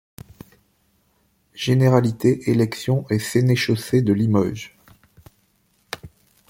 Généralité, élection et sénéchaussée de Limoges.